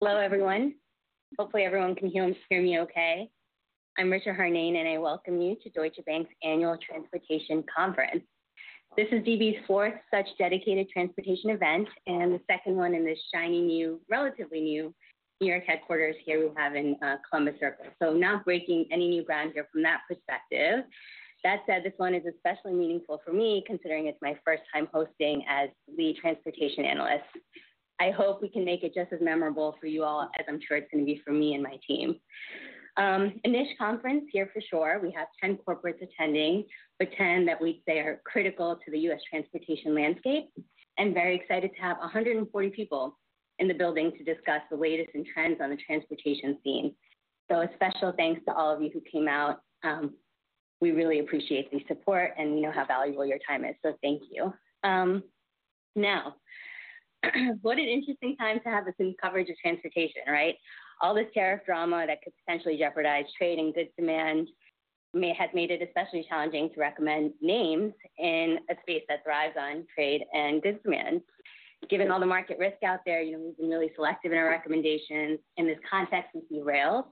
Hello, everyone. Hopefully, everyone can hear and see me Okay. I'm Richard Harnain, and I welcome you to Deutsche Bank's Annual Transportation Conference. This is DB's fourth such dedicated transportation event and the second one in this shiny new, relatively new, New York headquarters here we have in Columbus Circle. Not breaking any new ground here from that perspective. That said, this one is especially meaningful for me, considering it's my first time hosting as Lead Transportation Analyst. I hope we can make it just as memorable for you all as I'm sure it's going to be for me and my team. A niche conference here for sure. We have 10 corporates attending, but 10 that we'd say are critical to the US transportation landscape. Very excited to have 140 people in the building to discuss the latest in trends on the transportation scene. A special thanks to all of you who came out. We really appreciate the support and we know how valuable your time is, so thank you. What an interesting time to have this in coverage of transportation, right? All this tariff drama that could potentially jeopardize trade and goods demand has made it especially challenging to recommend names in a space that thrives on trade and goods demand. Given all the market risk out there, we've been really selective in our recommendations. In this context, we see rails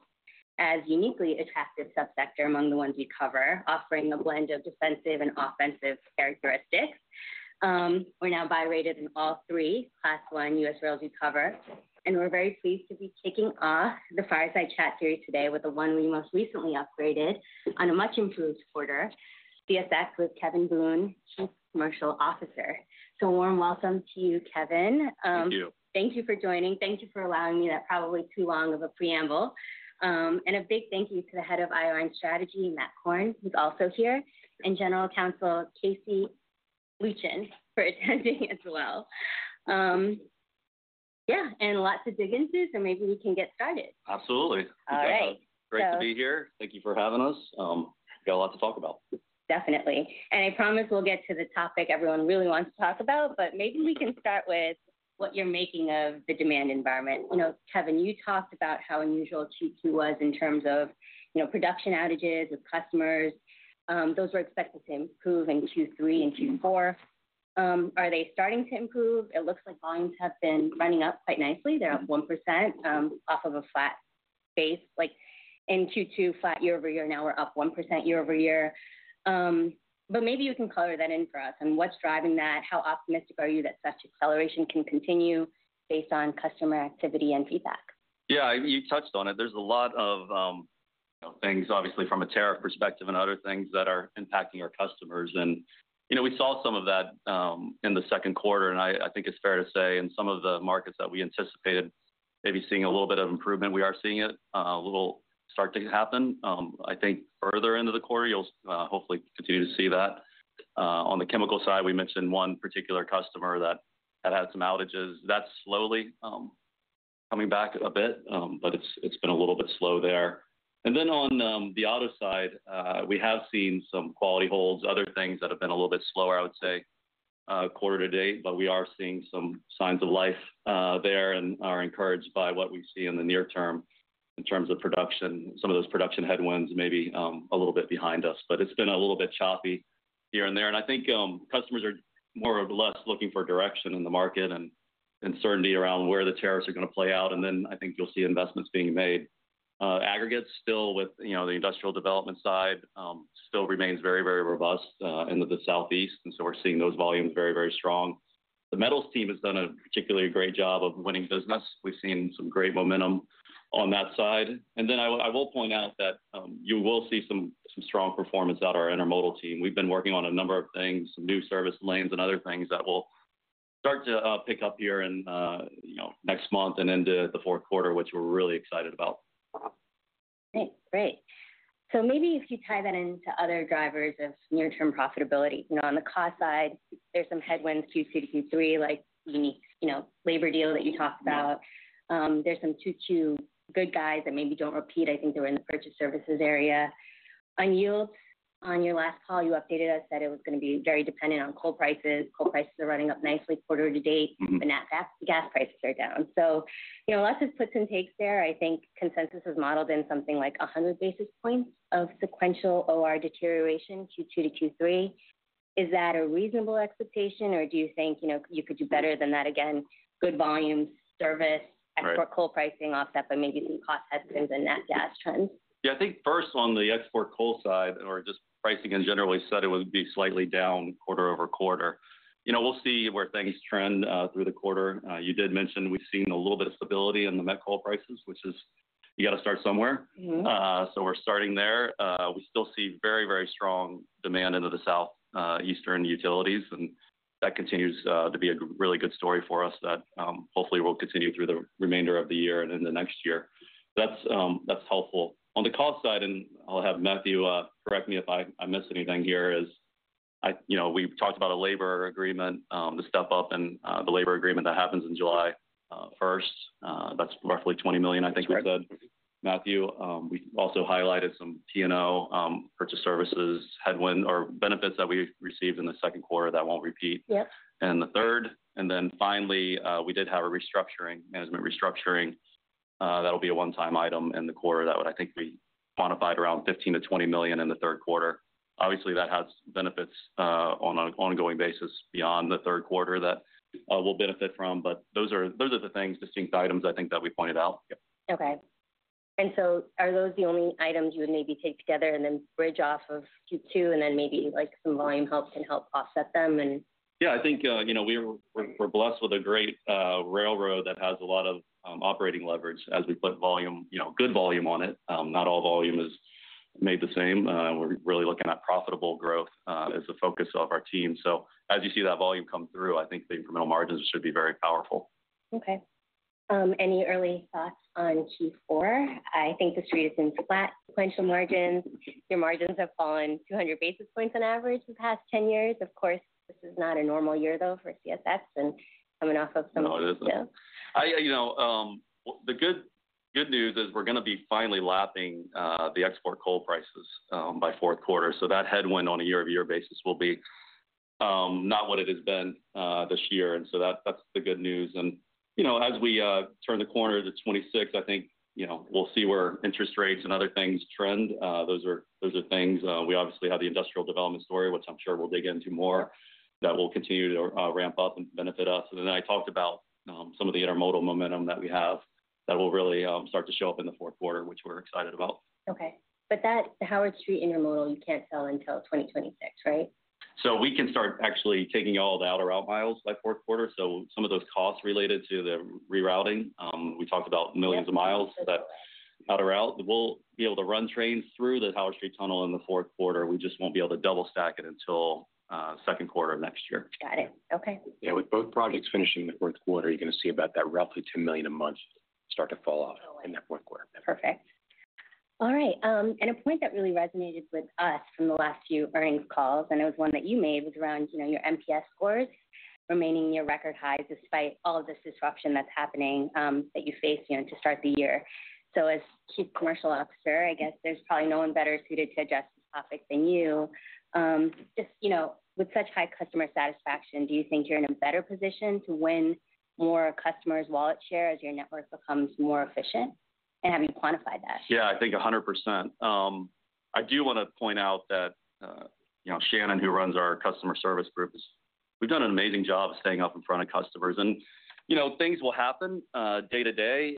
as a uniquely attractive subsector among the ones we cover, offering a blend of defensive and offensive characteristics. We're now Buy-rated in all three Class I U.S. rails we cover. We're very pleased to be kicking off the Fireside Chat series today with the one we most recently upgraded on a much improved quarter, CSX with Kevin Boone, Chief Commercial Officer. A warm welcome to you, Kevin. Thank you. Thank you for joining. Thank you for allowing me that probably too long of a preamble. A big thank you to the Head of IRM Strategy, Matt Korn, who's also here, and General Counsel Casey Luchen for attending as well. There is lots to dig into, so maybe we can get started. Absolutely. All right. Great to be here. Thank you for having us. We've got a lot to talk about. Definitely. I promise we'll get to the topic everyone really wants to talk about. Maybe we can start with what you're making of the demand environment. You know, Kevin, you talked about how unusual Q2 was in terms of production outages with customers. Those were expected to improve in Q3 and Q4. Are they starting to improve? It looks like volumes have been running up quite nicely. They're up 1% off of a flat base. Like in Q2, flat year-over-year. Now we're up 1% year-over-year. Maybe you can color that in for us on what's driving that. How optimistic are you that such acceleration can continue based on customer activity and feedback? Yeah, you touched on it. There's a lot of things, obviously, from a tariff perspective and other things that are impacting our customers. We saw some of that in the second quarter. I think it's fair to say in some of the markets that we anticipated maybe seeing a little bit of improvement, we are seeing it a little start to happen. I think further into the quarter, you'll hopefully continue to see that. On the chemical side, we mentioned one particular customer that had had some outages. That's slowly coming back a bit, but it's been a little bit slow there. On the auto side, we have seen some quality holds, other things that have been a little bit slower, I would say, quarter to date. We are seeing some signs of life there and are encouraged by what we see in the near term in terms of production. Some of those production headwinds may be a little bit behind us. It's been a little bit choppy here and there. I think customers are more or less looking for direction in the market and uncertainty around where the tariffs are going to play out. I think you'll see investments being made. Aggregates still with the industrial development side still remains very, very robust in the Southeast. We're seeing those volumes very, very strong. The metals team has done a particularly great job of winning business. We've seen some great momentum on that side. I will point out that you will see some strong performance out of our intermodal team. We've been working on a number of things, some new service lanes and other things that will start to pick up here in next month and into the fourth quarter, which we're really excited about. Great. Maybe if you tie that into other drivers of near-term profitability. On the cost side, there's some headwinds Q2 to Q3, like the unique labor deal that you talked about. There's some Q2 good guys that maybe don't repeat. I think they were in the purchase services area. On yields, on your last call, you updated us that it was going to be very dependent on coal prices. Coal prices are running up nicely quarter to date. Gas prices are down. Lots of puts and takes there. I think consensus is modeled in something like 100 basis points of sequential OR deterioration Q2 to Q3. Is that a reasonable expectation? Do you think you could do better than that? Again, good volumes, service, export coal pricing off that, but maybe some cost headwinds in that gas trend? Yeah, I think first on the export coal side, or just pricing in general, we said it would be slightly down quarter-over-quarter. We'll see where things trend through the quarter. You did mention we've seen a little bit of stability in the met coal prices, which is you got to start somewhere. So we're starting there. We still see very, very strong demand into the Southeastern utilities. That continues to be a really good story for us that hopefully will continue through the remainder of the year and into next year. That's helpful. On the cost side, and I'll have Matthew correct me if I missed anything here, we talked about a labor agreement to step up and the labor agreement that happens on July 1. That's roughly $20 million, I think we said. Matthew, we also highlighted some P&O purchase services headwind or benefits that we received in the second quarter that won't repeat in the third. Finally, we did have a restructuring, management restructuring. That'll be a one-time item in the quarter that would, I think, be quantified around $15 million-$20 million in the third quarter. Obviously, that has benefits on an ongoing basis beyond the third quarter that we'll benefit from. Those are the things, distinct items, I think, that we pointed out. Okay. So are those the only items you would maybe take together and then bridge off of Q2, and then maybe some volume help can help offset them? Yeah, I think we're blessed with a great railroad that has a lot of operating leverage as we put good volume on it. Not all volume is made the same. We're really looking at profitable growth as the focus of our team. As you see that volume come through, I think the incremental margins should be very powerful. Okay. Any early thoughts on Q4? I think the street has been flat, sequential margins. Your margins have fallen 200 basis points on average the past 10 years. Of course, this is not a normal year, though, for CSX and coming off of some. The good news is we're going to be finally lapping the export coal prices by the fourth quarter. That headwind on a year-over-year basis will be not what it has been this year. That is the good news. As we turn the corner to 2026, I think we'll see where interest rates and other things trend. We obviously have the industrial development story, which I'm sure we'll dig into more, that will continue to ramp up and benefit us. I talked about some of the intermodal momentum that we have that will really start to show up in the fourth quarter, which we're excited about. Okay. That Howard Street intermodal, you can't sell until 2026, right? We can start actually taking all the outer route miles by the fourth quarter. Some of those costs related to the rerouting, we talked about millions of miles that outer route. We'll be able to run trains through the Howard Street Tunnel in the fourth quarter. We just won't be able to double stack it until the second quarter of next year. Got it. Okay. Yeah, with both projects finishing in the fourth quarter, you're going to see about that roughly $2 million a month start to fall off in that fourth quarter. Perfect. All right. A point that really resonated with us from the last few earnings calls, and it was one that you made, was around your NPS scores, remaining near record highs despite all of this disruption that's happening that you face to start the year. As Chief Commercial Officer, I guess there's probably no one better suited to address this topic than you. With such high customer satisfaction, do you think you're in a better position to win more customers' wallet share as your network becomes more efficient? Have you quantified that? Yeah, I think 100%. I do want to point out that Shannon, who runs our Customer Service group, has done an amazing job of staying up in front of customers. Things will happen day to day.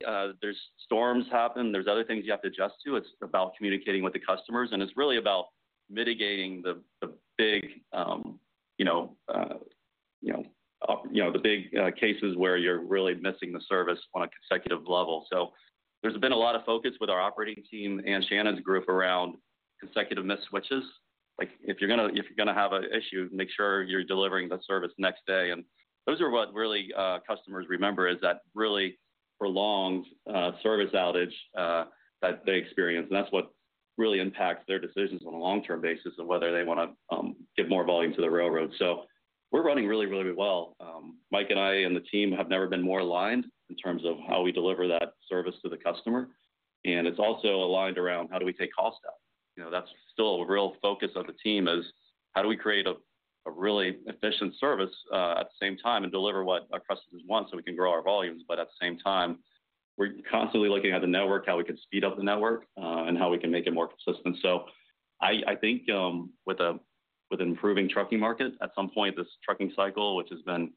Storms happen. There are other things you have to adjust to. It's about communicating with the customers. It's really about mitigating the big cases where you're really missing the service on a consecutive level. There has been a lot of focus with our operating team and Shannon's group around consecutive missed switches. If you're going to have an issue, make sure you're delivering the service next day. Those are what customers really remember, that really prolonged service outage that they experience. That's what really impacts their decisions on a long-term basis of whether they want to give more volume to the railroad. We're running really, really well. Mike and I and the team have never been more aligned in terms of how we deliver that service to the customer. It's also aligned around how do we take cost out. That's still a real focus of the team, how do we create a really efficient service at the same time and deliver what our customers want so we can grow our volumes. At the same time, we're constantly looking at the network, how we could speed up the network, and how we can make it more consistent. I think with an improving trucking market, at some point, this trucking cycle, which has been,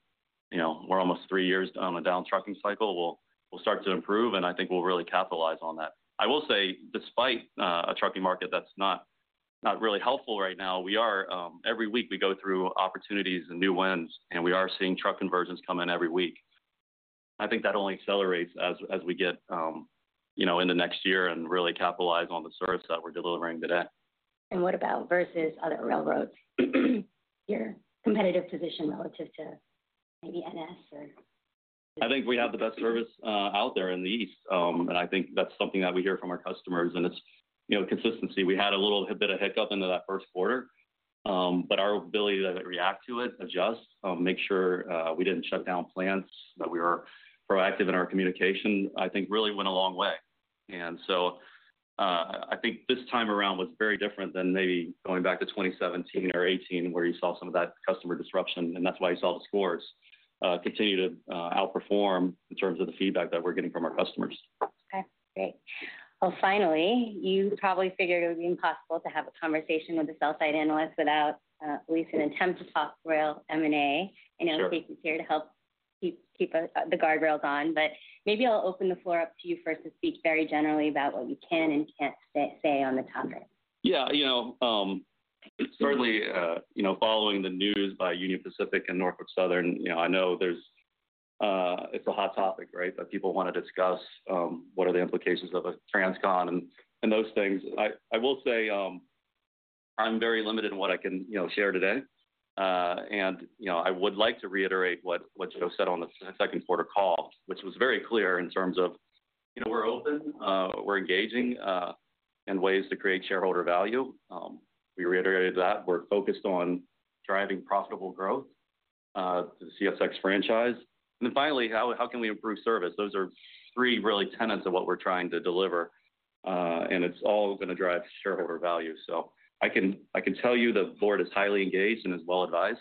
we're almost three years down a down trucking cycle, will start to improve. I think we'll really capitalize on that. I will say, despite a trucking market that's not really helpful right now, every week we go through opportunities and new wins. We are seeing truck conversions come in every week. I think that only accelerates as we get into next year and really capitalize on the service that we're delivering today. What about versus other railroads? Your competitive position relative to maybe NS or? I think we have the best service out there in the East. I think that's something that we hear from our customers, and it's consistency. We had a little bit of a hiccup into that first quarter, but our ability to react to it, adjust, make sure we didn't shut down plants, that we were proactive in our communication, I think really went a long way. I think this time around was very different than maybe going back to 2017 or 2018 where you saw some of that customer disruption. That's why you saw the scores continue to outperform in terms of the feedback that we're getting from our customers. Okay, great. Finally, you probably figured it would be impossible to have a conversation with a sell-side analyst without at least an attempt to talk rail M&A. I know Casey's here to help keep the guardrails on. Maybe I'll open the floor up to you first to speak very generally about what you can and can't say on the topic. Yeah, you know, certainly following the news by Union Pacific and Norfolk Southern, I know it's a hot topic, right, that people want to discuss. What are the implications of a Transcon and those things? I will say I'm very limited in what I can share today. I would like to reiterate what Joe said on the second quarter call, which was very clear in terms of we're open, we're engaging in ways to create shareholder value. We reiterated that. We're focused on driving profitable growth to the CSX franchise. Finally, how can we improve service? Those are three really tenets of what we're trying to deliver. It's all going to drive shareholder value. I can tell you the board is highly engaged and is well advised.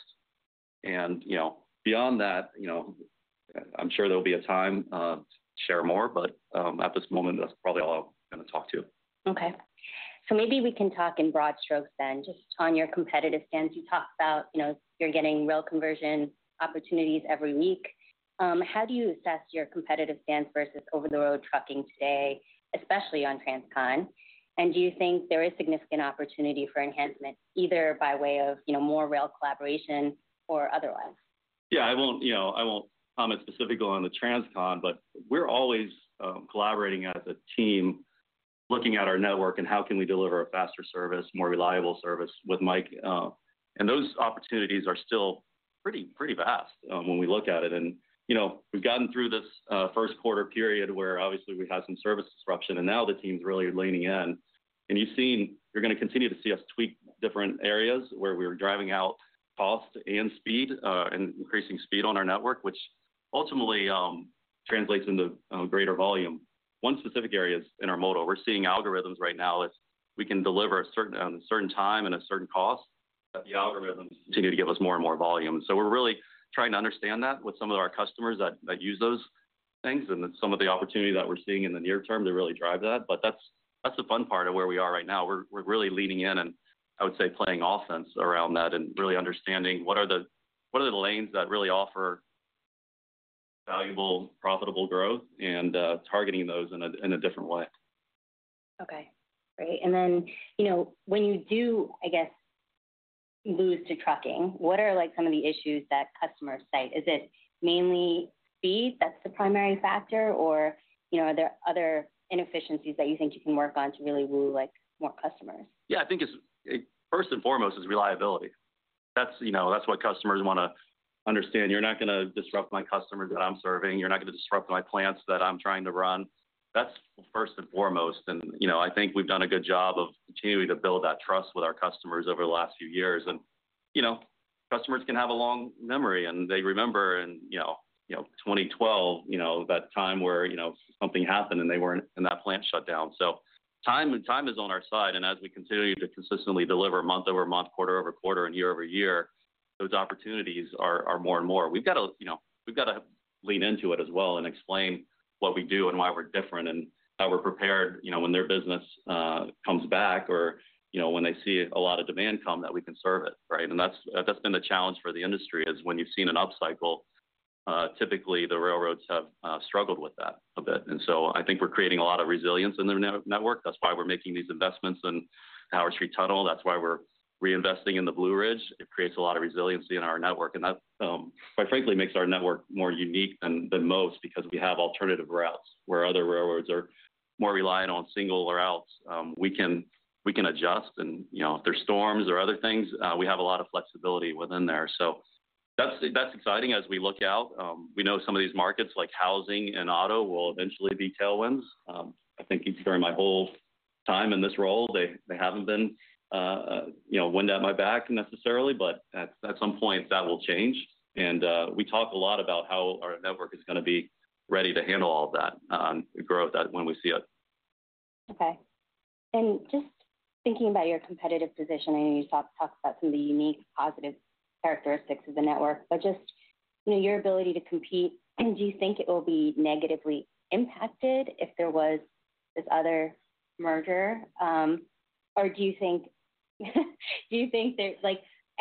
Beyond that, I'm sure there will be a time to share more. At this moment, that's probably all I'm going to talk to. Okay. Maybe we can talk in broad strokes then, just on your competitive stance. You talked about you're getting rail conversion opportunities every week. How do you assess your competitive stance versus over-the-road trucking today, especially on Transcon? Do you think there is significant opportunity for enhancement, either by way of more rail collaboration or otherwise? Yeah, I won't comment specifically on the Transcon. We're always collaborating as a team, looking at our network and how we can deliver a faster service, more reliable service with Mike. Those opportunities are still pretty vast when we look at it. We've gotten through this first quarter period where obviously we had some service disruption. Now the team's really leaning in. You've seen, you're going to continue to see us tweak different areas where we're driving out cost and increasing speed on our network, which ultimately translates into greater volume. One specific area is intermodal. We're seeing algorithms right now. If we can deliver at a certain time and a certain cost, the algorithms continue to give us more and more volume. We're really trying to understand that with some of our customers that use those things. Some of the opportunity that we're seeing in the near term to really drive that. That's the fun part of where we are right now. We're really leaning in and, I would say, playing offense around that and really understanding what are the lanes that really offer valuable, profitable growth and targeting those in a different way. Okay, great. When you do, I guess, lose to trucking, what are some of the issues that customers cite? Is it mainly speed that's the primary factor? Are there other inefficiencies that you think you can work on to really woo more customers? Yeah, I think first and foremost is reliability. That's what customers want to understand. You're not going to disrupt my customers that I'm serving. You're not going to disrupt my plants that I'm trying to run. That's first and foremost. I think we've done a good job of continuing to build that trust with our customers over the last few years. Customers can have a long memory. They remember in 2012, that time where something happened and that plant shut down. Time is on our side. As we continue to consistently deliver month-over-month, quarter-over-quarter, and year-over-year, those opportunities are more and more. We've got to lean into it as well and explain what we do and why we're different and how we're prepared when their business comes back or when they see a lot of demand come that we can serve it. That's been the challenge for the industry, is when you've seen an upcycle, typically the railroads have struggled with that a bit. I think we're creating a lot of resilience in their network. That's why we're making these investments in the Howard Street Tunnel. That's why we're reinvesting in the Blue Ridge. It creates a lot of resiliency in our network. That, quite frankly, makes our network more unique than most because we have alternative routes where other railroads are more reliant on single routes. We can adjust. If there's storms or other things, we have a lot of flexibility within there. That's exciting as we look out. We know some of these markets, like housing and auto markets, will eventually be tailwinds. I think during my whole time in this role, they haven't been wind at my back necessarily. At some point, that will change. We talk a lot about how our network is going to be ready to handle all of that growth when we see it. Okay. Just thinking about your competitive position, I know you talked about some of the unique positive characteristics of the network. Just your ability to compete, do you think it will be negatively impacted if there was this other merger? Do you think, I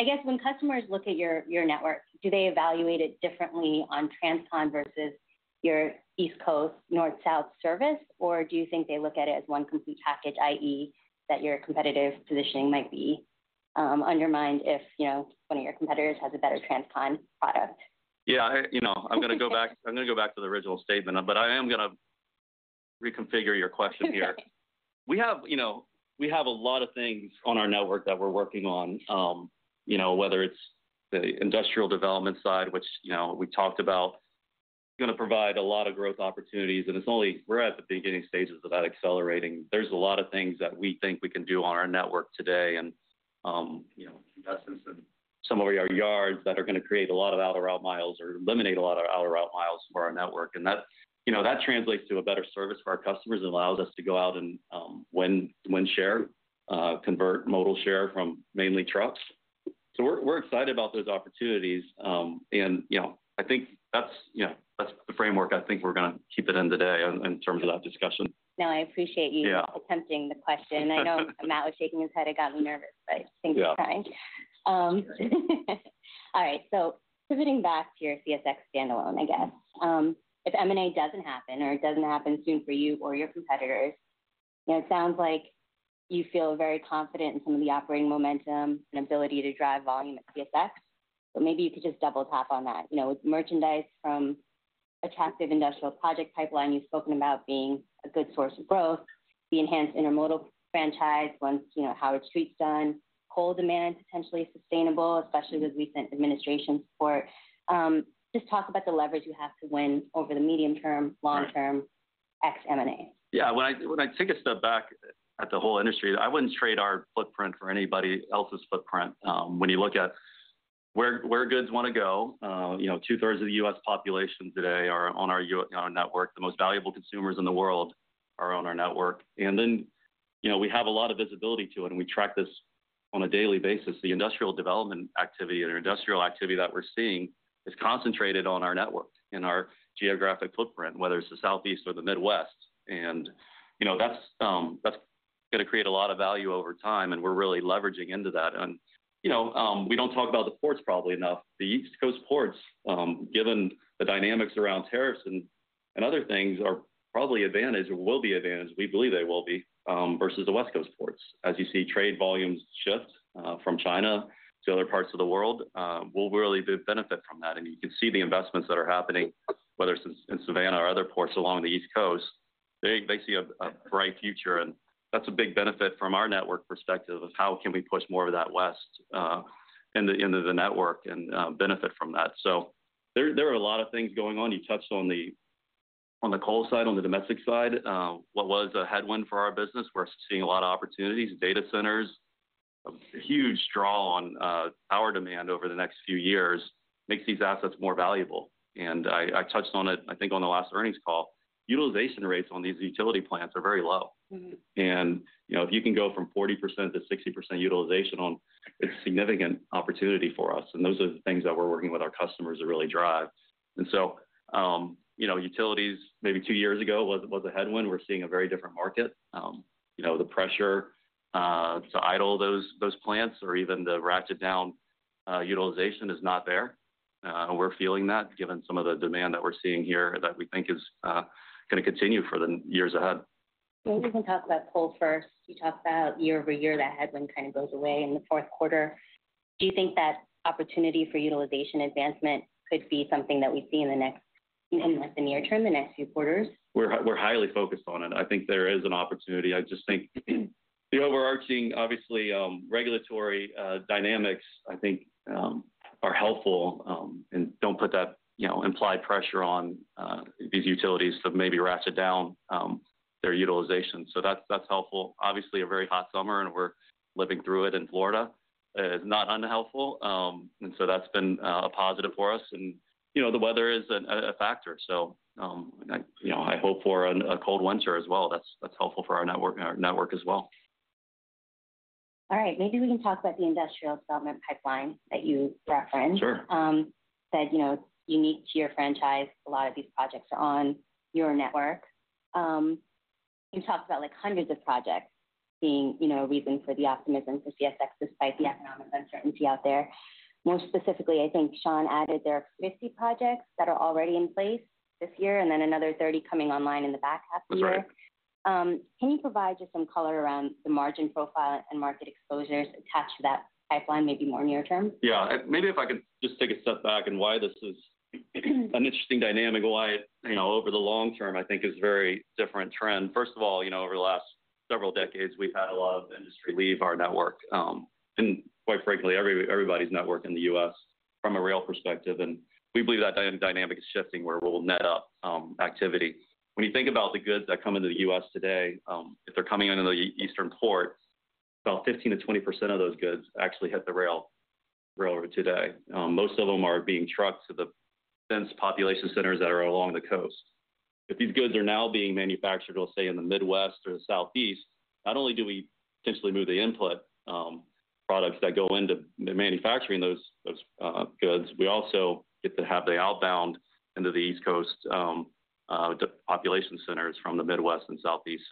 guess, when customers look at your network, do they evaluate it differently on Transcon versus your East Coast, North, South service? Do you think they look at it as one complete package, i.e., that your competitive positioning might be undermined if one of your competitors has a better Transcon product? I'm going to go back to the original statement. I am going to reconfigure your question here. We have a lot of things on our network that we're working on, whether it's the industrial development side, which we talked about, is going to provide a lot of growth opportunities. We're at the beginning stages of that accelerating. There are a lot of things that we think we can do on our network today and in some of our yards that are going to create a lot of outer route miles or eliminate a lot of outer route miles for our network. That translates to a better service for our customers and allows us to go out and win share, convert modal share from mainly trucks. We're excited about those opportunities. I think that's the framework I think we're going to keep it in today in terms of that discussion. No, I appreciate you attempting the question. I know Matt was shaking his head and got nervous, but I think he's trying. Yeah. All right. Pivoting back to your CSX standalone again, if M&A doesn't happen or doesn't happen soon for you or your competitors, it sounds like you feel very confident in some of the operating momentum and ability to drive volume at CSX. Maybe you could just double tap on that. With merchandise from attractive industrial development project pipeline, you've spoken about being a good source of growth, the enhanced intermodal franchise once Howard Street done, coal demand potentially sustainable, especially with recent administration support. Just talk about the leverage you have to win over the medium term, long term, ex-M&A. Yeah, when I take a step back at the whole industry, I wouldn't trade our footprint for anybody else's footprint. When you look at where goods want to go, two-thirds of the U.S. population today are on our network. The most valuable consumers in the world are on our network. We have a lot of visibility to it, and we track this on a daily basis. The industrial development activity and industrial activity that we're seeing is concentrated on our network and our geographic footprint, whether it's the Southeast or the Midwest. That's going to create a lot of value over time, and we're really leveraging into that. We don't talk about the ports probably enough. The East Coast ports, given the dynamics around tariffs and other things, are probably advantaged or will be advantaged. We believe they will be versus the West Coast ports. As you see trade volumes shift from China to other parts of the world, we'll really benefit from that. You can see the investments that are happening, whether it's in Savannah or other ports along the East Coast. They see a bright future, and that's a big benefit from our network perspective of how can we push more of that west into the network and benefit from that. There are a lot of things going on. You touched on the coal side, on the domestic side, what was a headwind for our business. We're seeing a lot of opportunities, data centers. A huge draw on power demand over the next few years makes these assets more valuable. I touched on it, I think, on the last earnings call. Utilization rates on these utility plants are very low, and if you can go from 40%-60% utilization on, it's a significant opportunity for us. Those are the things that we're working with our customers to really drive. Utilities, maybe two years ago, was a headwind. We're seeing a very different market. The pressure to idle those plants or even the ratchet down utilization is not there. We're feeling that, given some of the demand that we're seeing here that we think is going to continue for the years ahead. Maybe we can talk about coal first. You talked about year-over-year that headwind kind of goes away in the fourth quarter. Do you think that opportunity for utilization advancement could be something that we see in the next month and year term, the next few quarters? We're highly focused on it. I think there is an opportunity. I just think we're arching, obviously, regulatory dynamics, I think, are helpful and don't put that implied pressure on these utilities to maybe ratchet down their utilization. That's helpful. Obviously, a very hot summer, and we're living through it in Florida, is not unhelpful. That's been a positive for us. The weather is a factor. I hope for a cold winter as well. That's helpful for our network as well. All right. Maybe we can talk about the industrial development pipeline that you referenced. You said it's unique to your franchise. A lot of these projects are on your network. You talked about hundreds of projects being a reason for the optimism for CSX despite the economic uncertainty out there. More specifically, I think Sean added there are 50 projects that are already in place this year, and then another 30 coming online in the back half of the year. Can you provide just some color around the margin profile and market exposures attached to that pipeline, maybe more near term? Maybe if I could just take a step back and why this is an interesting dynamic, why over the long term, I think, is a very different trend. First of all, over the last several decades, we've had a lot of industry leave our network and, quite frankly, everybody's network in the U.S. from a rail perspective. We believe that dynamic is shifting where we'll net up activity. When you think about the goods that come into the U.S. today, if they're coming into the Eastern port, about 15%-20% of those goods actually hit the railroad today. Most of them are being trucked to the dense population centers that are along the coast. If these goods are now being manufactured, we'll say, in the Midwest or the Southeast, not only do we potentially move the input products that go into manufacturing those goods, we also get to have the outbound into the East Coast population centers from the Midwest and Southeast.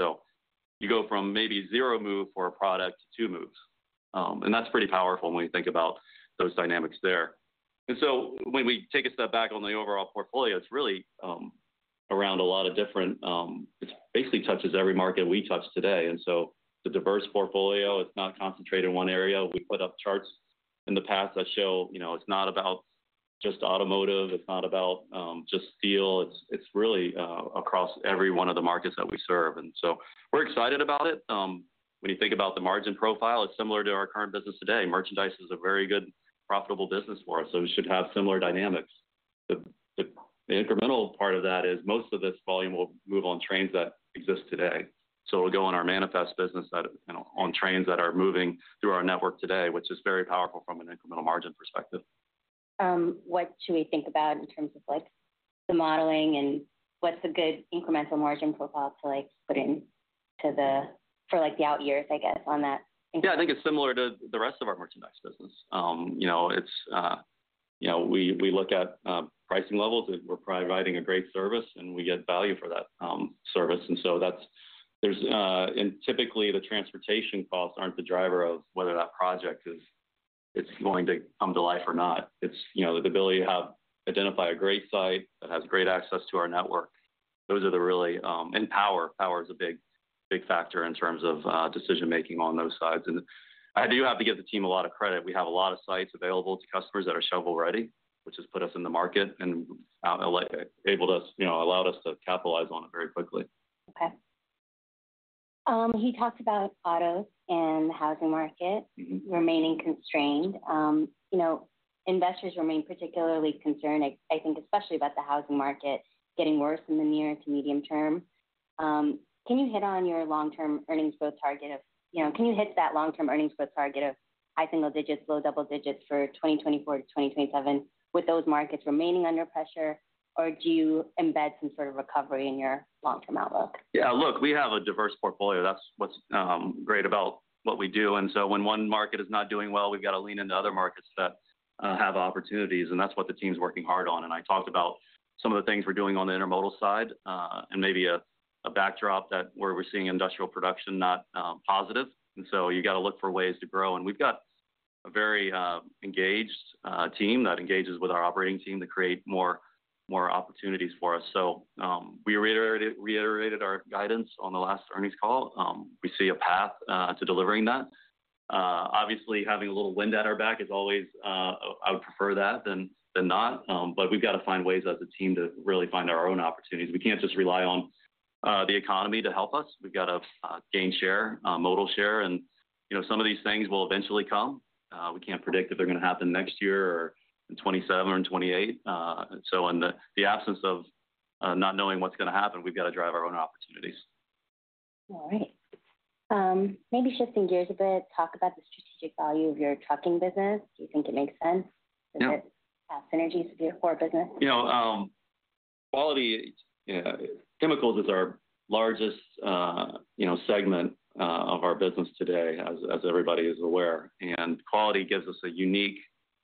You go from maybe zero move for a product to two moves. That's pretty powerful when you think about those dynamics there. When we take a step back on the overall portfolio, it's really around a lot of different. It basically touches every market we touch today. It's a diverse portfolio. It's not concentrated in one area. We put up charts in the past that show it's not about just automotive. It's not about just steel. It's really across every one of the markets that we serve. We're excited about it. When you think about the margin profile, it's similar to our current business today. Merchandise is a very good, profitable business for us. We should have similar dynamics. The incremental part of that is most of this volume will move on trains that exist today. It'll go in our manifest business on trains that are moving through our network today, which is very powerful from an incremental margin perspective. What should we think about in terms of the modeling? What's a good incremental margin profile to put in for the out years, I guess, on that? Yeah, I think it's similar to the rest of our merchandise business. We look at pricing levels. We're providing a great service, and we get value for that service. Typically, the transportation costs aren't the driver of whether that project is going to come to life or not. It's the ability to identify a great site that has great access to our network. Those are the really important factors. Power is a big factor in terms of decision-making on those sites. I do have to give the team a lot of credit. We have a lot of sites available to customers that are shovel-ready, which has put us in the market and allowed us to capitalize on it very quickly. Okay. He talked about auto and the housing market remaining constrained. Investors remain particularly concerned, I think, especially about the housing market getting worse in the near to medium term. Can you hit on your long-term earnings growth target? Can you hit that long-term earnings growth target of high single digits, low double digits for 2024-2027 with those markets remaining under pressure? Do you embed some sort of recovery in your long-term outlook? Yeah, look, we have a diverse portfolio. That's what's great about what we do. When one market is not doing well, we've got to lean into other markets that have opportunities. That's what the team's working hard on. I talked about some of the things we're doing on the intermodal side and maybe a backdrop where we're seeing industrial production not positive. You've got to look for ways to grow. We've got a very engaged team that engages with our operating team to create more opportunities for us. We reiterated our guidance on the last earnings call. We see a path to delivering that. Obviously, having a little wind at our back is always, I would prefer that than not. We've got to find ways as a team to really find our own opportunities. We can't just rely on the economy to help us. We've got to gain share, modal share. Some of these things will eventually come. We can't predict if they're going to happen next year or in 2027 or 2028. In the absence of not knowing what's going to happen, we've got to drive our own opportunities. All right. Maybe shifting gears a bit, talk about the strategic value of your trucking business. Do you think it makes sense? Yeah. Synergies with your core business? Quality, chemicals is our largest segment of our business today, as everybody is aware. Quality gives us a unique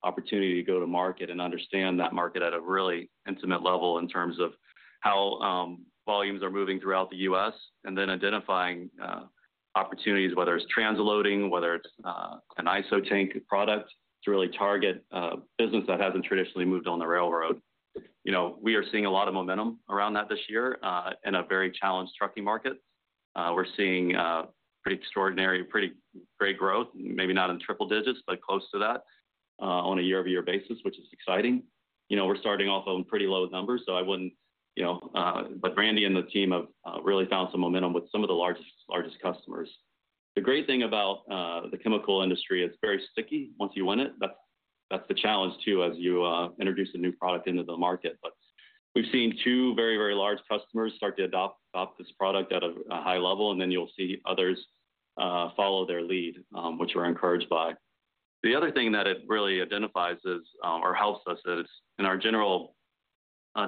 opportunity to go to market and understand that market at a really intimate level in terms of how volumes are moving throughout the U.S. and then identifying opportunities, whether it's transloading, whether it's an ISO tank product, to really target a business that hasn't traditionally moved on the railroad. We are seeing a lot of momentum around that this year in a very challenged trucking market. We're seeing pretty extraordinary, pretty great growth, maybe not in triple digits, but close to that on a year-over-year basis, which is exciting. We're starting off on pretty low numbers. Randy and the team have really found some momentum with some of the largest customers. The great thing about the chemical industry, it's very sticky once you win it. That's the challenge, too, as you introduce a new product into the market. We've seen two very, very large customers start to adopt this product at a high level. You'll see others follow their lead, which we're encouraged by. The other thing that it really identifies or helps us is in our general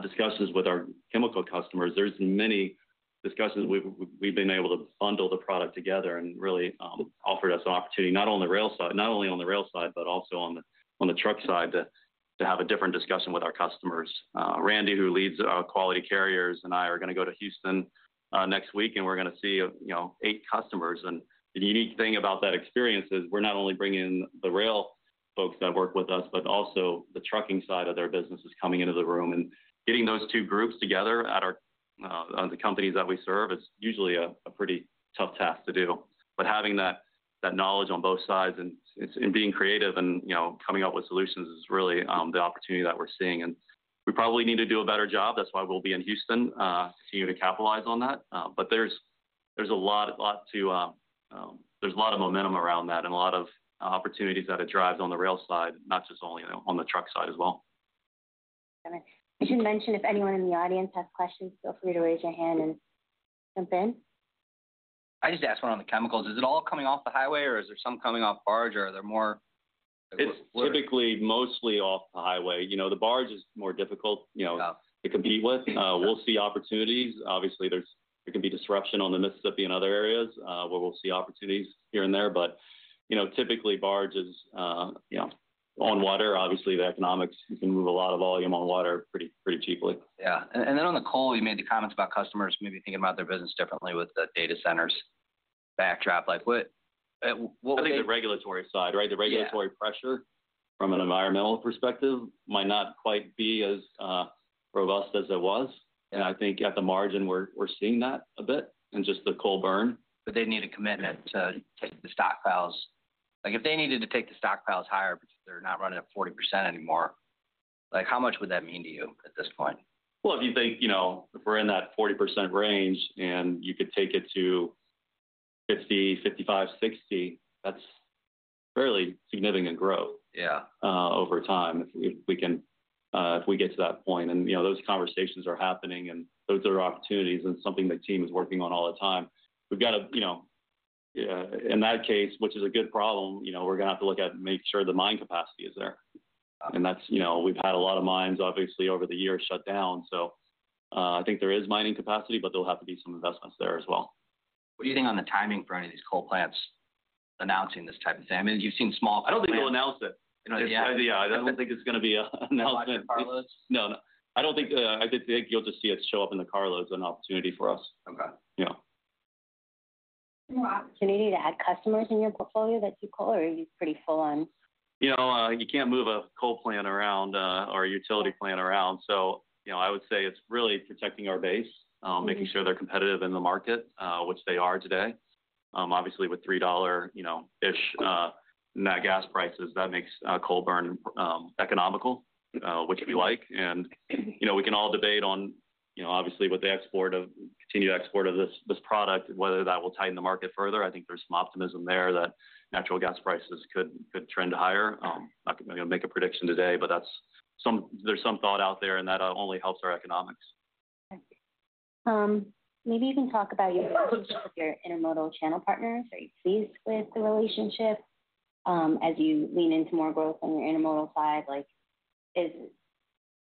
discussions with our chemical customers, there are many discussions we've been able to bundle the product together and really offered us an opportunity, not only on the rail side, but also on the truck side, to have a different discussion with our customers. Randy, who leads our Quality Carriers, and I are going to go to Houston next week. We're going to see eight customers. The unique thing about that experience is we're not only bringing in the rail folks that work with us, but also the trucking side of their business is coming into the room. Getting those two groups together at the companies that we serve is usually a pretty tough task to do. Having that knowledge on both sides and being creative and coming up with solutions is really the opportunity that we're seeing. We probably need to do a better job. That's why we'll be in Houston to continue to capitalize on that. There is a lot of momentum around that and a lot of opportunities that it drives on the rail side, not just only on the truck side as well. I should mention, if anyone in the audience has questions, feel free to raise your hand and jump in. I just asked one on the chemicals. Is it all coming off the highway? Is there some coming off barge? Are there more? It's typically mostly off the highway. The barge is more difficult to compete with. We'll see opportunities. Obviously, there can be disruption on the Mississippi and other areas where we'll see opportunities here and there. Typically, barge is on water. Obviously, the economics, you can move a lot of volume on water pretty cheaply. Yeah, on the coal, you made the comments about customers maybe thinking about their business differently with the data centers backdrop. I think the regulatory side, right, the regulatory pressure from an environmental perspective might not quite be as robust as it was. I think at the margin, we're seeing that a bit in just the coal burn. They need a commitment to take the stockpiles. If they needed to take the stockpiles higher because they're not running at 40% anymore, how much would that mean to you at this point? If you think if we're in that 40% range and you could take it to 50%, 55%, 60%, that's fairly significant growth over time if we get to that point. Those conversations are happening. Those are opportunities, and it's something the team is working on all the time. We've got to, in that case, which is a good problem, we're going to have to look at and make sure the mine capacity is there. We've had a lot of mines, obviously, over the years shut down. I think there is mining capacity, but there'll have to be some investments there as well. What do you think on the timing for any of these coal plants announcing this type of thing? I mean, you've seen small. I don't think they'll announce it. I don't think it's going to be an announcement. Carloads? No, I don't think you'll just see it show up in the carloads as an opportunity for us. Okay. Any opportunity to add customers in your portfolio that do coal, or are you pretty full on? You can't move a coal plant around or a utility plant around. I would say it's really protecting our base, making sure they're competitive in the market, which they are today. Obviously, with $3-ish gas prices, that makes coal burn economical, which we like. We can all debate on, obviously, what they export, continue to export this product, whether that will tighten the market further. I think there's some optimism there that natural gas prices could trend higher. I'm not going to make a prediction today. There's some thought out there, and that only helps our economics. Maybe you can talk about your relationship with your intermodal channel partners. Are you pleased with the relationship as you lean into more growth on your intermodal side?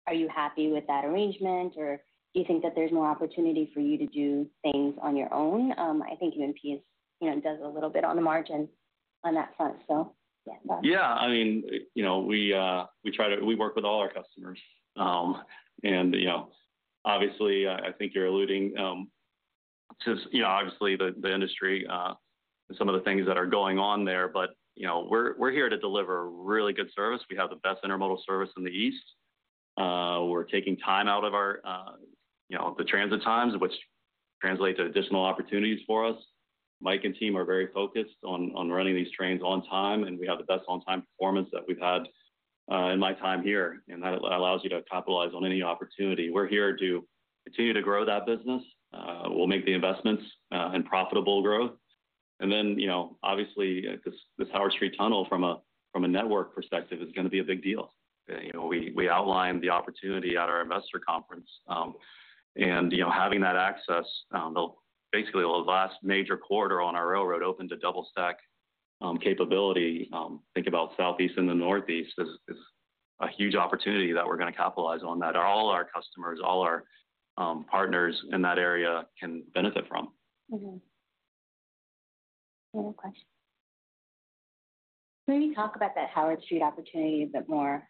Are you happy with that arrangement? Do you think that there's more opportunity for you to do things on your own? I think UNP does a little bit on the margin on that front. Yeah, I mean, we work with all our customers. Obviously, I think you're alluding to the industry and some of the things that are going on there. We're here to deliver really good service. We have the best intermodal service in the East. We're taking time out of the transit times, which translate to additional opportunities for us. Mike and team are very focused on running these trains on time. We have the best on-time performance that we've had in my time here, and that allows you to capitalize on any opportunity. We're here to continue to grow that business. We'll make the investments in profitable growth. This Howard Street Tunnel, from a network perspective, is going to be a big deal. We outlined the opportunity at our investor conference. Having that access, basically, the last major quarter on our railroad opened to double-stack capability. Think about Southeast and the Northeast; it is a huge opportunity that we're going to capitalize on that all our customers, all our partners in that area can benefit from. Okay. Final question. Maybe talk about that Howard Street opportunity a bit more.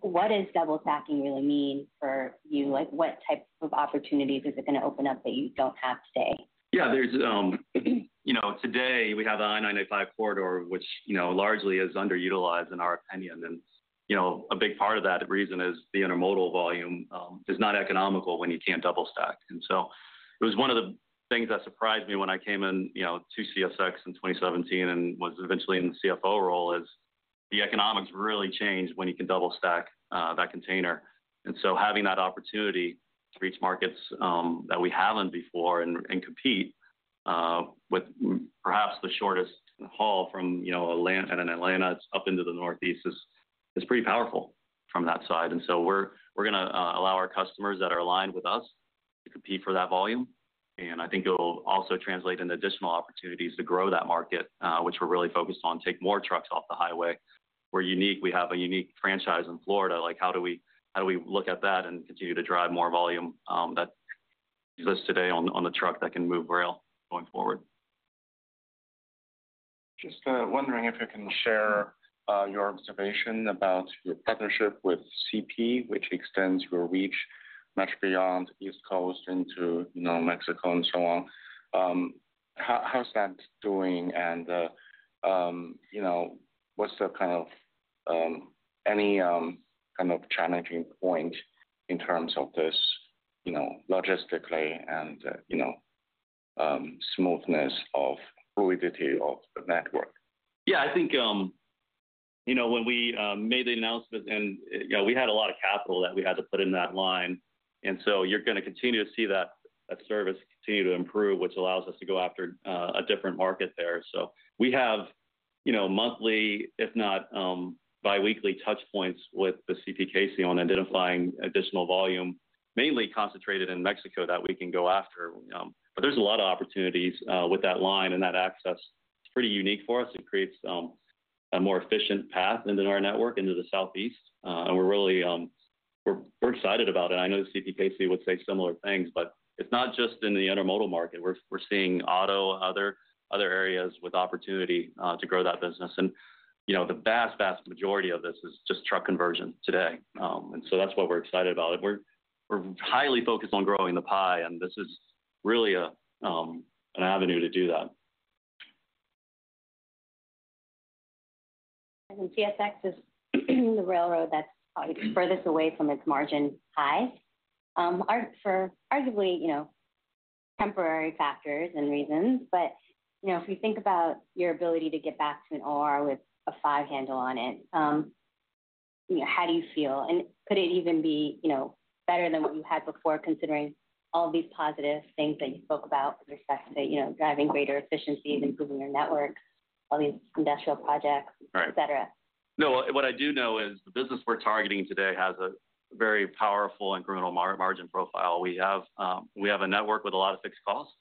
What does double-stack intermodal service really mean for you? What type of opportunities is it going to open up that you don't have today? Yeah, today we have the I-95 corridor, which largely is underutilized, in our opinion. A big part of that reason is the intermodal volume is not economical when you can't double stack. It was one of the things that surprised me when I came into CSX in 2017 and was eventually in the CFO role, is the economics really change when you can double stack that container. Having that opportunity to reach markets that we haven't before and compete with perhaps the shortest haul from Atlanta and Atlanta up into the Northeast is pretty powerful from that side. We're going to allow our customers that are aligned with us to compete for that volume. I think it'll also translate into additional opportunities to grow that market, which we're really focused on, take more trucks off the highway. We're unique. We have a unique franchise in Florida. How do we look at that and continue to drive more volume that exists today on the truck that can move rail going forward? Just wondering if you can share your observation about your partnership with CPKC, which extends your reach much beyond the East Coast into Mexico and so on. How's that doing? What's the kind of any kind of challenging point in terms of this logistically and smoothness of fluidity of the network? I think when we made the announcement, we had a lot of capital that we had to put in that line. You're going to continue to see that service continue to improve, which allows us to go after a different market there. We have monthly, if not biweekly, touch points with the CPKC on identifying additional volume, mainly concentrated in Mexico that we can go after. There are a lot of opportunities with that line and that access. It's pretty unique for us. It creates a more efficient path into our network into the Southeast. We're really excited about it. I know the CPKC would say similar things. It's not just in the intermodal market. We're seeing auto and other areas with opportunity to grow that business. The vast, vast majority of this is just truck conversion today. That's why we're excited about it. We're highly focused on growing the pie, and this is really an avenue to do that. CSX is the railroad that's probably the furthest away from its margin highs, for arguably temporary factors and reasons. If you think about your ability to get back to an OR with a five handle on it, how do you feel? Could it even be better than what you had before, considering all of these positive things that you spoke about with respect to driving greater efficiencies, improving your network, all these industrial projects, etc? No, what I do know is the business we're targeting today has a very powerful incremental margin profile. We have a network with a lot of fixed costs,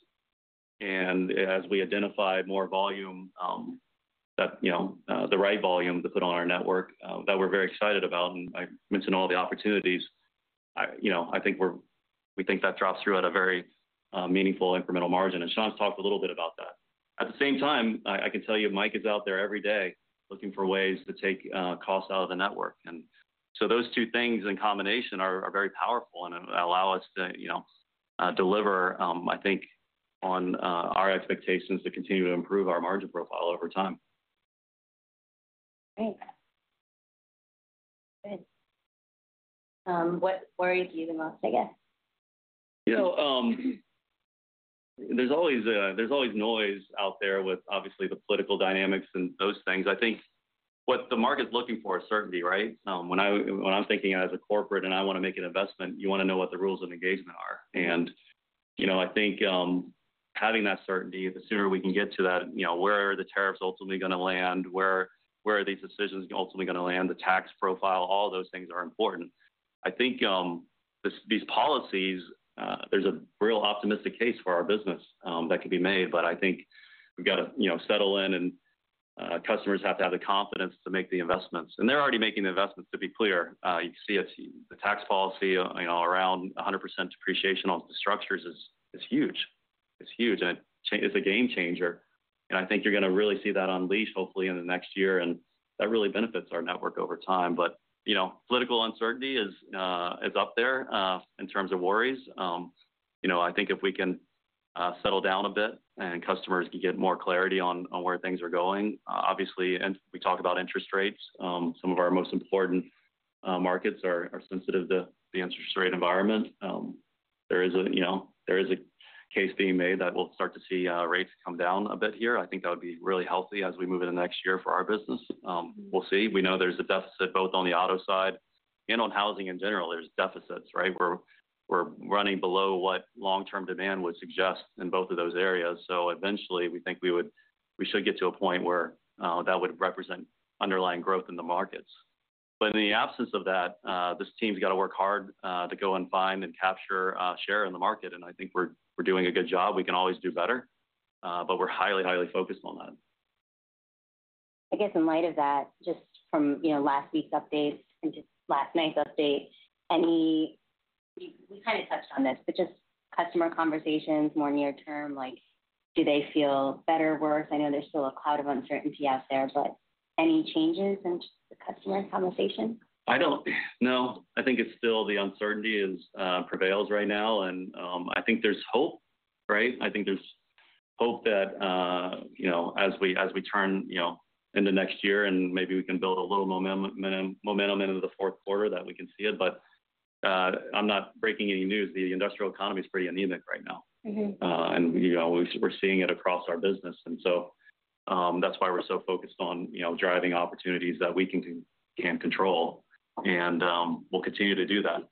and as we identify more volume, the right volume to put on our network that we're very excited about, I mentioned all the opportunities. I think we think that drops through at a very meaningful incremental margin. Sean's talked a little bit about that. At the same time, I can tell you Mike is out there every day looking for ways to take costs out of the network. Those two things in combination are very powerful and allow us to deliver, I think, on our expectations to continue to improve our margin profile over time. Great. What worries you the most, I guess? Yeah, there's always noise out there with, obviously, the political dynamics and those things. I think what the market's looking for is certainty, right? When I'm thinking as a corporate and I want to make an investment, you want to know what the rules of engagement are. I think having that certainty, the sooner we can get to that, where are the tariffs ultimately going to land? Where are these decisions ultimately going to land? The tax profile, all of those things are important. I think these policies, there's a real optimistic case for our business that could be made. We've got to settle in. Customers have to have the confidence to make the investments. They're already making the investments, to be clear. You can see the tax policy around 100% depreciation on the structures is huge. It's huge. It's a game changer. I think you're going to really see that unleashed, hopefully, in the next year. That really benefits our network over time. Political uncertainty is up there in terms of worries. If we can settle down a bit and customers can get more clarity on where things are going, obviously, we talk about interest rates. Some of our most important markets are sensitive to the interest rate environment. There is a case being made that we'll start to see rates come down a bit here. I think that would be really healthy as we move into next year for our business. We'll see. We know there's a deficit both on the auto side and on housing in general. There are deficits, right? We're running below what long-term demand would suggest in both of those areas. Eventually, we think we should get to a point where that would represent underlying growth in the markets. In the absence of that, this team's got to work hard to go and find and capture share in the market. I think we're doing a good job. We can always do better. We're highly, highly focused on that. I guess in light of that, just from last week's updates and just last night's updates, we kind of touched on this, but just customer conversations more near term, do they feel better or worse? I know there's still a cloud of uncertainty out there. Any changes in customer conversation? I don't know. I think it's still the uncertainty prevails right now. I think there's hope, right? I think there's hope that as we turn into next year and maybe we can build a little momentum into the fourth quarter that we can see it. I'm not breaking any news. The industrial economy is pretty anemic right now. We're seeing it across our business. That's why we're so focused on driving opportunities that we can control. We'll continue to do that.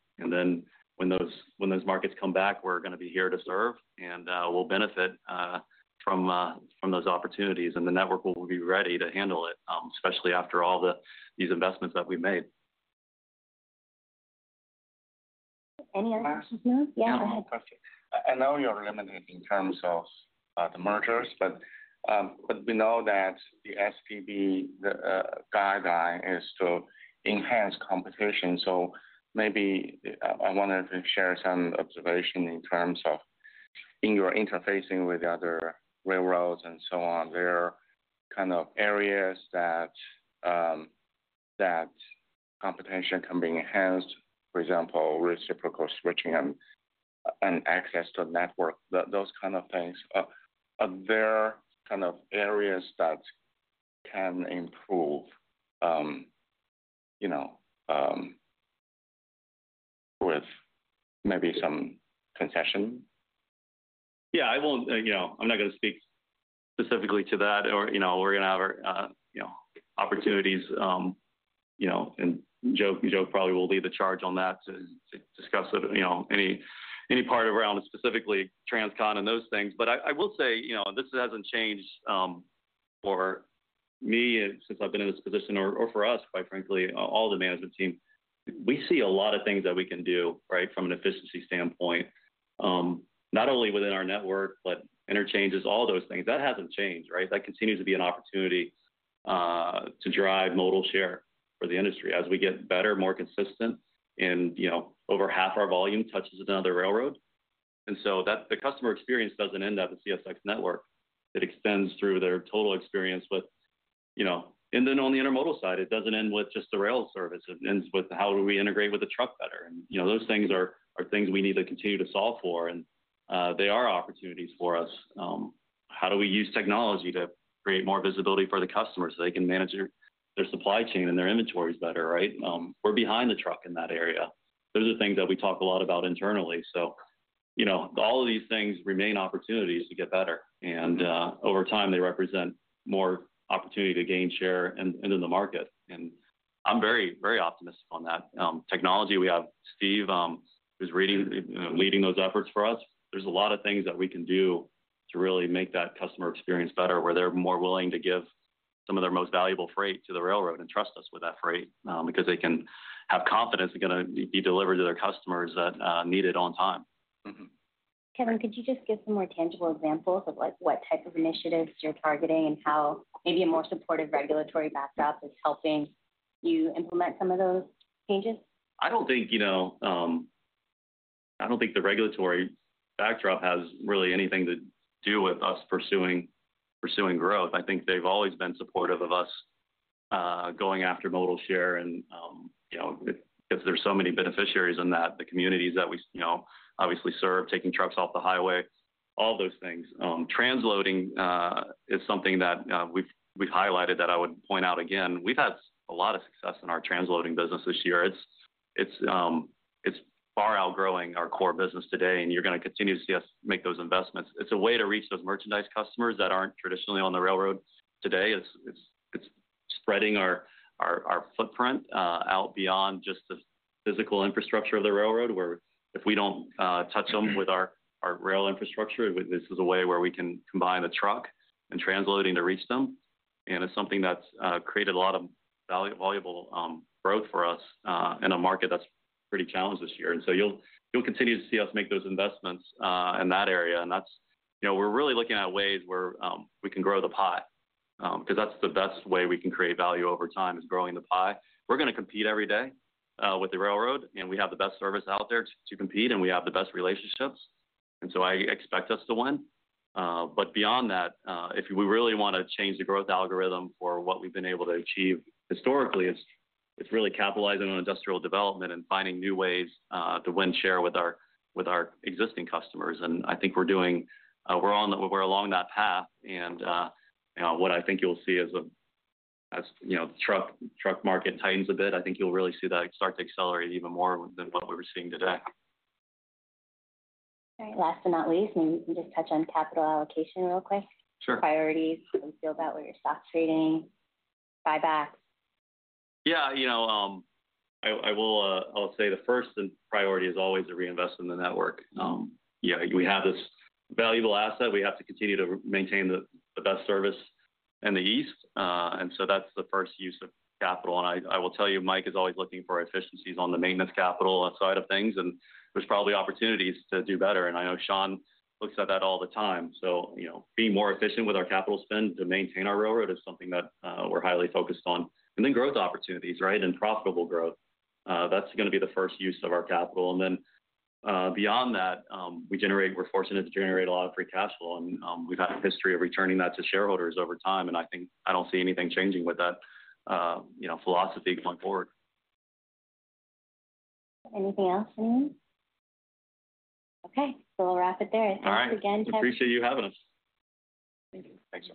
When those markets come back, we're going to be here to serve. We'll benefit from those opportunities. The network will be ready to handle it, especially after all these investments that we've made. Any other questions you have? Yeah, go ahead. I know you're limited in terms of the mergers. We know that the STB guideline is to enhance competition. I wanted to share some observation in terms of in your interfacing with other railroads and so on. There are kind of areas that competition can be enhanced, for example, reciprocal switching and access to network. Those kind of things. Are there kind of areas that can improve with maybe some concession? I'm not going to speak specifically to that. We're going to have opportunities, and Joe probably will lead the charge on that to discuss any part around specifically Transcon and those things. I will say this hasn't changed for me since I've been in this position or for us, quite frankly, all the management team. We see a lot of things that we can do from an efficiency standpoint, not only within our network, but interchanges, all those things. That hasn't changed, right? That continues to be an opportunity to drive modal share for the industry as we get better, more consistent. Over half our volume touches another railroad, so the customer experience doesn't end at the CSX network. It extends through their total experience. On the intermodal side, it doesn't end with just the rail service. It ends with how do we integrate with the truck better. Those things are things we need to continue to solve for, and they are opportunities for us. How do we use technology to create more visibility for the customers so they can manage their supply chain and their inventories better, right? We're behind the truck in that area. Those are things that we talk a lot about internally. All of these things remain opportunities to get better, and over time, they represent more opportunity to gain share in the market. I'm very, very optimistic on that. Technology, we have Steve who's leading those efforts for us. There's a lot of things that we can do to really make that customer experience better, where they're more willing to give some of their most valuable freight to the railroad and trust us with that freight because they can have confidence it's going to be delivered to their customers that need it on time. Kevin, could you just give some more tangible examples of what type of initiatives you're targeting and how maybe a more supportive regulatory backdrop is helping you implement some of those changes? I don't think the regulatory backdrop has really anything to do with us pursuing growth. I think they've always been supportive of us going after modal share. There are so many beneficiaries in that, the communities that we obviously serve, taking trucks off the highway, all those things. Transloading is something that we've highlighted that I would point out again. We've had a lot of success in our transloading business this year. It's far outgrowing our core business today, and you're going to continue to see us make those investments. It's a way to reach those merchandise customers that aren't traditionally on the railroad today. It's spreading our footprint out beyond just the physical infrastructure of the railroad, where if we don't touch them with our rail infrastructure, this is a way where we can combine a truck and transloading to reach them. It's something that's created a lot of valuable growth for us in a market that's pretty challenged this year. You'll continue to see us make those investments in that area. We're really looking at ways where we can grow the pie, because that's the best way we can create value over time, is growing the pie. We're going to compete every day with the railroad, and we have the best service out there to compete. We have the best relationships, and I expect us to win. If we really want to change the growth algorithm for what we've been able to achieve historically, it's really capitalizing on industrial development and finding new ways to win share with our existing customers. I think we're along that path, and what I think you'll see is as the truck market tightens a bit, you'll really see that start to accelerate even more than what we were seeing today. Last but not least, maybe you can just touch on capital allocation real quick. Priorities. How do you feel about where your stock is trading, buybacks? I'll say the first priority is always a reinvestment in the network. We have this valuable asset. We have to continue to maintain the best service in the East. That's the first use of capital. I will tell you, Mike is always looking for efficiencies on the maintenance capital side of things. There's probably opportunities to do better. I know Sean looks at that all the time. Being more efficient with our capital spend to maintain our railroad is something that we're highly focused on. Growth opportunities, right, and profitable growth. That's going to be the first use of our capital. Beyond that, we're fortunate to generate a lot of free cash flow. We've had a history of returning that to shareholders over time. I think I don't see anything changing with that philosophy going forward. Anything else, anyone? Okay, we'll wrap it there. Thanks again, Kevin. Appreciate you having us. Thank you.